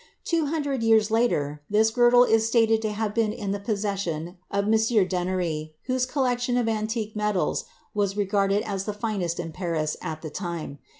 Two hundred years later this girdle is stated to have been in the possession of a M. d'Ennery, whose collection of antique medals was regarded as the finest in Paris at the time.